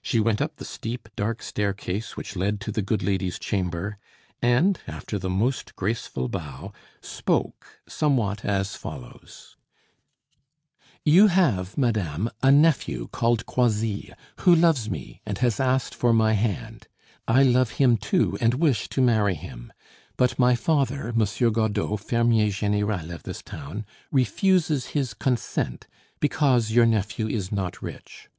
She went up the steep, dark staircase which led to the good lady's chamber, and, after the most graceful bow, spoke somewhat as follows: "You have, madame, a nephew, called Croisilles, who loves me and has asked for my hand; I love him too and wish to marry him; but my father, Monsieur Godeau, fermier général of this town, refuses his consent, because your nephew is not rich.